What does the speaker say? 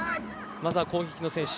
まずは攻撃の選手